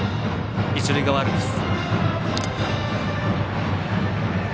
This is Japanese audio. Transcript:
一塁側アルプス。